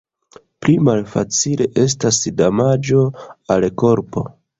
Pli malfacile estas damaĝo al korpo.